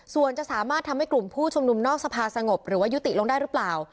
ส่วนจะสามารถทำให้กลุ่มผู้ชุมนุมนอกสภาสงบหรือว่ายุติลงได้หรือเปล่า